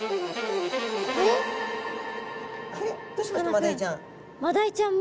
マダイちゃん